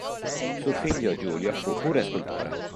Su figlio Giulio fu pure scultore.